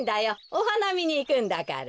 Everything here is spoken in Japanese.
おはなみにいくんだから。